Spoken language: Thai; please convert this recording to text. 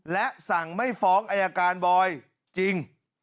และสั่งไม่ฟ้องอายการบอยจริง